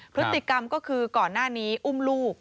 พฤติกรรมก็คือก่อนหน้านี้อุ้มลูก